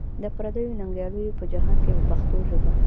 د پردیو ننګیالیو په جهان کې په پښتو ژبه.